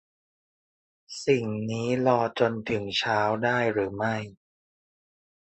สิ่งนี้รอจนถึงเช้าได้หรือไม่